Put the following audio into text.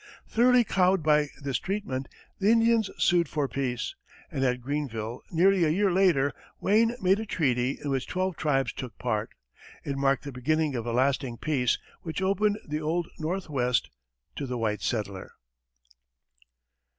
Thoroughly cowed by this treatment, the Indians sued for peace, and at Greenville, nearly a year later, Wayne made a treaty in which twelve tribes took part. It marked the beginning of a lasting peace, which opened the "Old Northwest" to the white settler.